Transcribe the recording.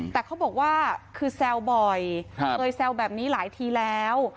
แต่เขาบอกว่าคือแซวบ่อยเคยแซวแบบนี้หลายทีแล้ว